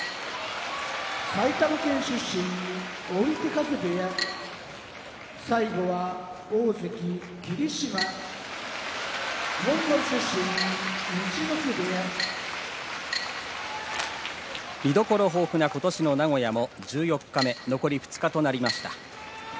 埼玉県出身追手風部屋大関・霧島モンゴル出身陸奥部屋見どころ豊富な名古屋も残り２日となりました。